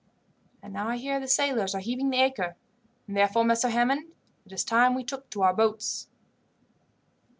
"And now I hear the sailors are heaving the anchor, and therefore, Messer Hammond, it is time we took to our boats."